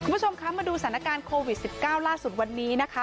คุณผู้ชมคะมาดูสถานการณ์โควิด๑๙ล่าสุดวันนี้นะคะ